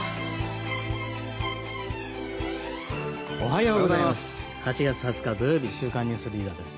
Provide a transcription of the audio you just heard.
おはようございます。